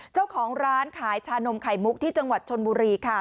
เจ้าของร้านขายชานมไข่มุกที่จังหวัดชนบุรีค่ะ